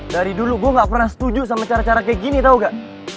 dari dulu gue gak pernah setuju sama cara cara kayak gini tau gak